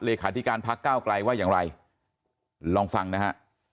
เลขาธิการพักก้าวไกลว่าอย่างไรลองฟังนะฮะ